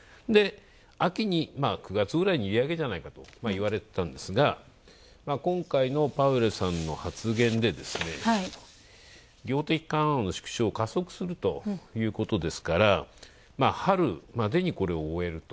秋に９月くらいに、利上げじゃないかといわれてたんですが、今回のパウエルさんの発言で量的緩和の縮小を加速するということなので春までにこれを終えると。